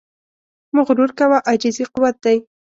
مه غرور کوه، عاجزي قوت دی.